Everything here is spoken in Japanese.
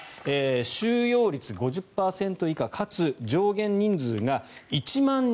収容率５０％以下かつ上限人数が１万人